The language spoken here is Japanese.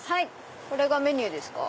これがメニューですか？